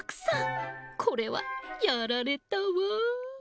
これはやられたわ。